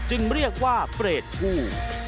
จึงเรียกว่าเปรตผู้